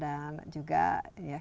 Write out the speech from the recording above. dan juga sangat menarik ya kita